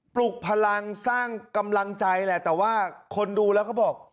ลุกพลังสร้างกำลังใจแหละแต่ว่าคนดูแล้วก็บอก